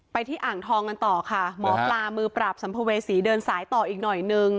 ที่อ่างทองกันต่อค่ะหมอปลามือปราบสัมภเวษีเดินสายต่ออีกหน่อยนึง